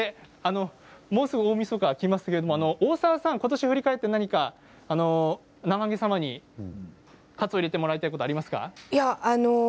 もうすぐ大みそかがきますけれど、大沢さんことしを振り返って何かなまはげ様に喝を入れてもらいたいことありますか？